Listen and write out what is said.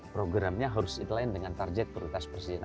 programnya harus intline dengan target prioritas presiden